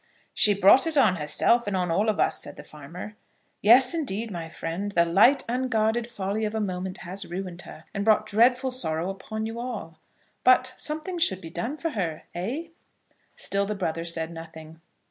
"She brought it on herself, and on all of us," said the farmer. "Yes, indeed, my friend. The light, unguarded folly of a moment has ruined her, and brought dreadful sorrow upon you all. But something should be done for her; eh?" Still the brother said nothing.